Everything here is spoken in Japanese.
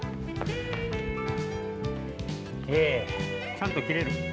ちゃんときれる？